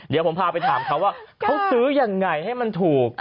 เดี๋ยวผมพาไปถามเขาว่าเขาซื้อยังไงให้มันถูก